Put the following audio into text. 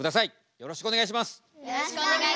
よろしくお願いします。